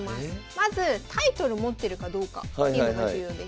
まずタイトル持ってるかどうかっていうのが重要です。